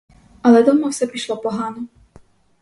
Але дома все пішло погано.